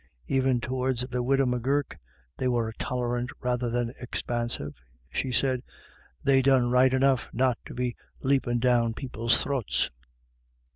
Even towards the widow M'Gurk they were tolerant rather than expansive; she said, "They done right enough not to be leppin' down people's throaths."